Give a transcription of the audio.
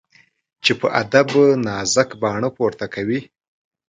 چي په ادب نازک باڼه پورته کوي